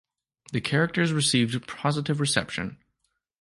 The characters received positive reception.